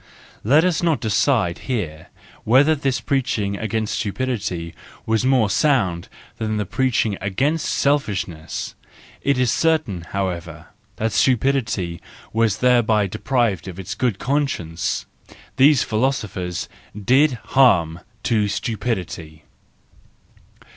Let us not decide here whether this preaching against stupidity was more sound than the preaching against selfishness; it is certain, however, that stupidity was thereby deprived of its good conscience:—these philoso¬ phers did harm to stupidity